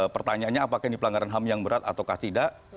pertanyaannya apakah ini pelanggaran ham yang berat atau tidak